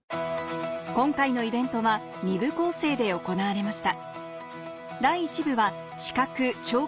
今回のイベントは２部構成で行われました